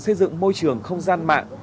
xây dựng môi trường không gian mạng